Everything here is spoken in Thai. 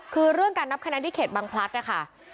คือเรื่องการนับคะแนนที่เขตบางพลัดนะคะ